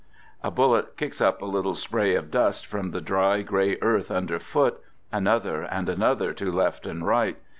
" A bullet kicks up a little spray of dust from the dry gray earth underfoot, another and another to left and right.